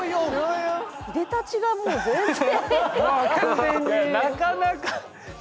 いでたちがもう全然。